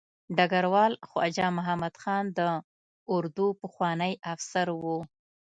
ډګروال خواجه محمد خان د اردو پخوانی افسر و.